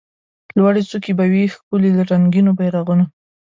لوړي څوکي به وي ښکلي له رنګینو بیرغونو